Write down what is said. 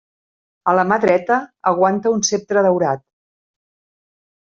A la mà dreta aguanta un ceptre daurat.